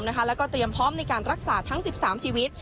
แล้วก็เตรียมพร้อมในการรักษาทั้ง๑๓ชีวิต